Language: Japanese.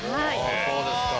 そうですか。